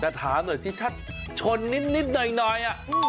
แต่ถามหน่อยสิถ้าชนนิดหน่อย